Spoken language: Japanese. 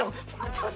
ちょっと。